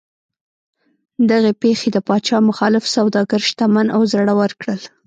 دغې پېښې د پاچا مخالف سوداګر شتمن او زړور کړل.